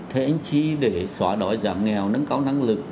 thế anh chị để xóa đói giảm nghèo nâng cao năng lực